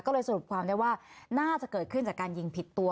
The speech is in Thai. ก็เลยสรุปความได้ว่าน่าจะเกิดขึ้นจากการยิงผิดตัว